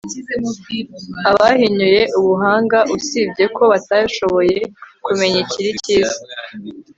abahinyuye ubuhanga, usibye ko batashoboye kumenya ikiri cyiza